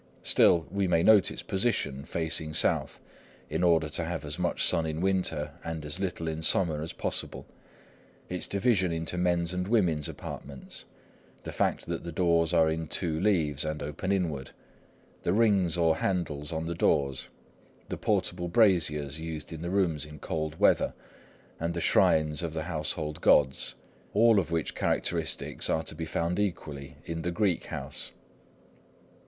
Still, we may note its position, facing south, in order to have as much sun in winter and as little in summer as possible; its division into men's and women's apartments; the fact that the doors are in two leaves and open inward; the rings or handles on the doors; the portable braziers used in the rooms in cold weather; and the shrines of the household gods;—all of which characteristics are to be found equally in the Greek house.